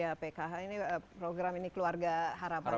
ya pkh ini program ini keluarga harapan